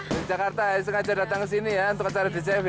dari jakarta sengaja datang ke sini ya untuk acara dcf ya